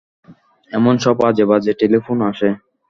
এমন সব আজেবাজে টেলিফোন আসে।